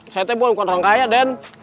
saya tuh bukan orang kaya den